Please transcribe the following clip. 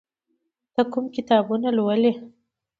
ته کوم کتابونه ولې؟